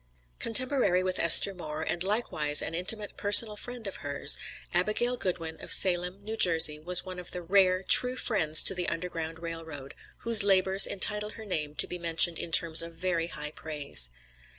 Contemporary with Esther Moore, and likewise an intimate personal friend of hers, Abigail Goodwin, of Salem, N.J., was one of the rare, true friends to the Underground Rail Road, whose labors entitle her name to be mentioned in terms of very high praise.